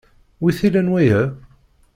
Wi t-ilan waya?